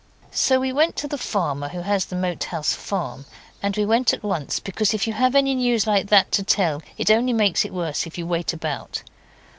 So we went to the farmer who has the Moat House Farm, and we went at once, because if you have any news like that to tell it only makes it worse if you wait about.